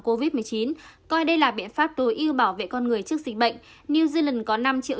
covid một mươi chín coi đây là biện pháp tối ưu bảo vệ con người trước dịch bệnh new zealand có năm triệu